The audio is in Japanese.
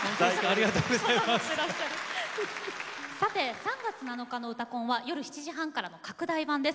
３月７日の「うたコン」は夜７時半からの拡大版です。